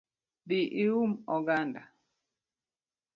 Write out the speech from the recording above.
Dhi ium oganda